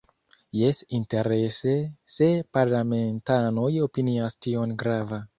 Jes, interese se parlamentanoj opinias tion grava.